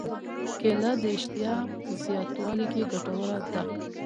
کېله د اشتها زیاتولو کې ګټوره ده.